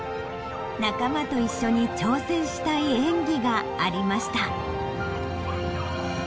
仲間と一緒に挑戦したい演技がありました。